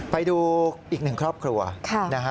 ไปดูอีกหนึ่งครอบครัวนะฮะ